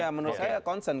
ya menurut saya concern